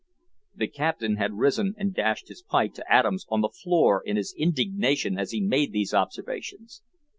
The captain had risen and dashed his pipe to atoms on the floor in his indignation as he made these observations.